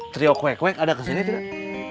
triok wek wek ada kesini tidak